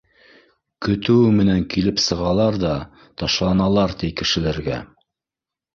Көтөүе менән килеп сығалар ҙа ташланалар, ти, кешеләргә.